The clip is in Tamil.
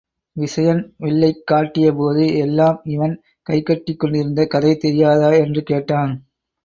விசயன் வில்லைக் காட்டியபோது எல்லாம் இவன் கைகட்டிக் கொண்டிருந்த கதை தெரியாதா? என்று கேட்டான்.